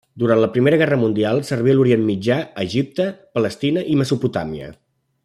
Durant la Primera Guerra Mundial, serví a l'Orient Mitjà a Egipte, Palestina i Mesopotàmia.